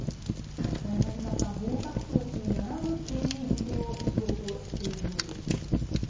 柳澤さん毛沢東氏に並ぶ権威付けをしようとしているようです。